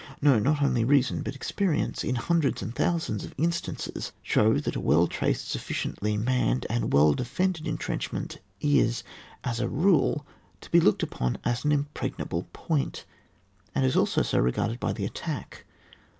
No, not only reason but experience, in hundreds and thousands of instances, show that a well traced, sufficiently manned, and well de fended entrenchment is, as a rule, to he looked upon as an impregnable point, and is also so regarded by the attack.